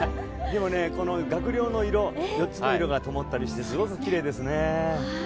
でもこの学寮の色、４つの色がともってすごくきれいですね。